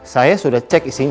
saya mau pergi dulu